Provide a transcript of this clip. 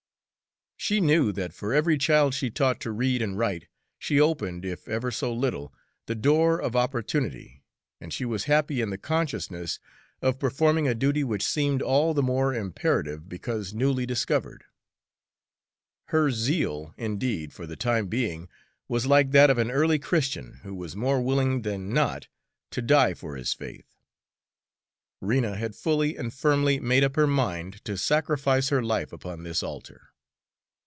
She knew that for every child she taught to read and write she opened, if ever so little, the door of opportunity, and she was happy in the consciousness of performing a duty which seemed all the more imperative because newly discovered. Her zeal, indeed, for the time being was like that of an early Christian, who was more willing than not to die for his faith. Rena had fully and firmly made up her mind to sacrifice her life upon this altar.